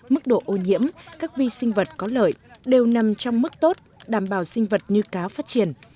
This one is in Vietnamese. mức độ ô nhiễm các vi sinh vật có lợi đều nằm trong mức tốt đảm bảo sinh vật như cá phát triển